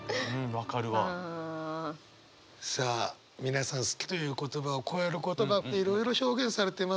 さあ皆さん「好き」という言葉をこえる言葉っていろいろ表現されていますがどうでしょう？